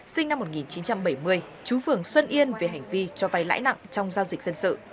sinh năm một nghìn chín trăm bảy mươi chú phường xuân yên về hành vi cho vay lãi nặng trong giao dịch dân sự